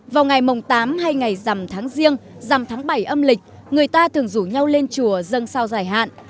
vào ngày mồng tám hay ngày rằm tháng riêng rằm tháng bảy âm lịch người ta thường rủ nhau lên chùa dân sao dài hạn